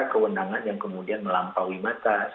ada kewenangan yang kemudian melampaui matas